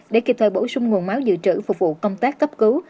để kịp thời bổ sung nguồn máu dự trữ phục vụ công tác cấp cứu